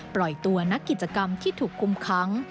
ปล่อยตัวนักกิจกรรมที่ถูกคุมค้าง